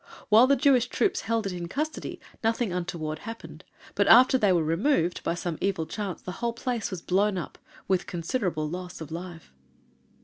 While the Jewish troops held it in custody nothing untoward happened, but, after they were removed, by some evil chance the whole place was blown up with considerable loss of life.